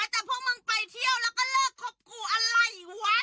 แต่พวกมึงไปเที่ยวแล้วก็เลิกคบกูอะไรวะ